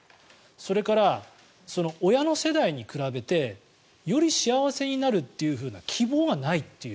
それから、親の世代に比べてより幸せになるという希望がないという。